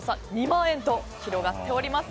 ２万円と広がっております。